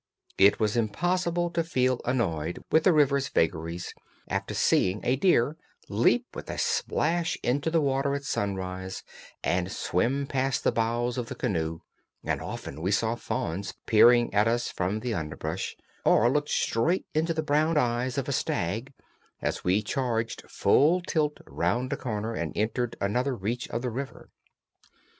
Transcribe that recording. It was impossible to feel annoyed with the river's vagaries after seeing a deer leap with a splash into the water at sunrise and swim past the bows of the canoe; and often we saw fawns peering at us from the underbrush, or looked straight into the brown eyes of a stag as we charged full tilt round a corner and entered another reach of the river.